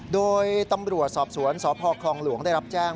โดยตำรวจสอบสวนสพคลองหลวงได้รับแจ้ง